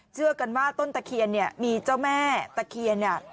เชื่อกันว่าต้นตะเคียนเนี่ยมีเจ้าแม่ตะเคียนเนี่ย